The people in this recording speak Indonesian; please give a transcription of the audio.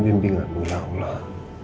bimbinganmu ya allah